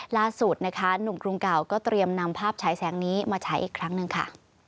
ล่าสุดนะคะหนุ่มกรุงเก่าก็เตรียมนำภาพฉายแสงนี้มาฉายอีกครั้งหนึ่งค่ะ